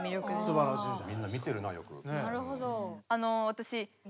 すばらしいよ。